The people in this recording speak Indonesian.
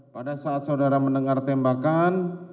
pada saat saudara mendengar tembakan